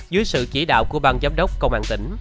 dưới sự chỉ đạo của bang giám đốc công an tỉnh